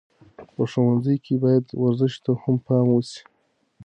په ښوونځیو کې باید ورزش ته هم پام وسي.